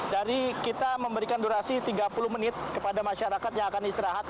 jadi kita memberikan durasi tiga puluh menit kepada masyarakat yang akan istirahat